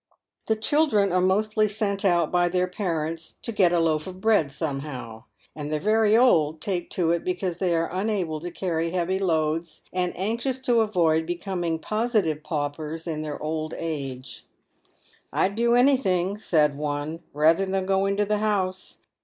The children are mostly sent out by their parents " to get a loaf of bread somehow," and the very old take to it because they are unable to carry heavy loads, and anxious to avoid becoming positive paupers in their old age. " I'd do anything," said one, " rather than go into the house.